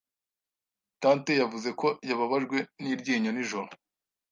Tante yavuze ko yababajwe niryinyo nijoro.